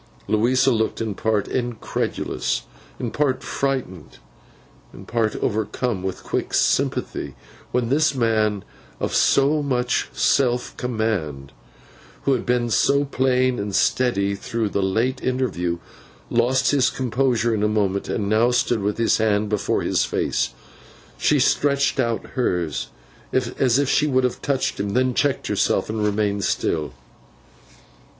Louisa looked, in part incredulous, in part frightened, in part overcome with quick sympathy, when this man of so much self command, who had been so plain and steady through the late interview, lost his composure in a moment, and now stood with his hand before his face. She stretched out hers, as if she would have touched him; then checked herself, and remained still.